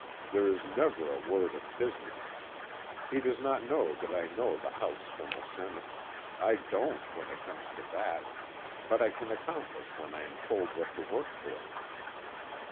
There is never a word of business. He does not know that I know the House from the Senate I don't when it comes to that, but I can accomplish when I am told what to work for.